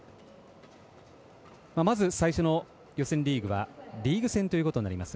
まず、最初の予選リーグはリーグ戦ということになります。